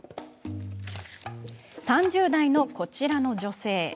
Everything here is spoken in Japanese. ３０代の、こちらの女性。